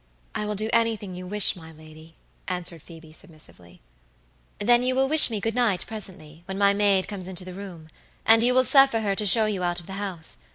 "I will do anything you wish, my lady," answered Phoebe, submissively. "Then you will wish me good night presently, when my maid comes into the room, and you will suffer her to show you out of the house.